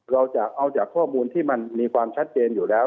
เราจะเอาจากข้อมูลที่มันมีความชัดเจนอยู่แล้ว